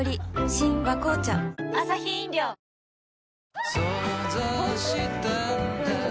新「和紅茶」想像したんだ